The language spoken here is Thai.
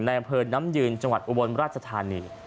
ในบริเวณน้ำยืนจังหวัดอุบลราชธานี